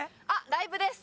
ライブです。